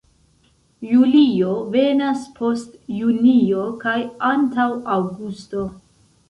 Julio venas post junio kaj antaŭ aŭgusto.